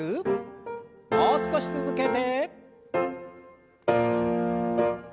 もう少し続けて。